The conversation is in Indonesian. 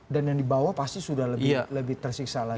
dan yang di bawah pasti sudah lebih tersiksa lagi